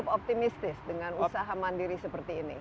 jadi kira kira ada banyak kesimpulan negatif ini itu